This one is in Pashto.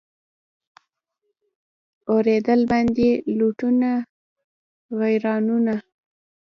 اورېدل باندي لوټونه غیرانونه